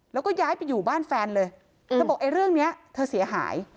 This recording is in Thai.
แล้วก็ย้ายไปอยู่บ้านแฟนเลยเธอบอกไอ้เรื่องเนี้ยเธอเสียหาย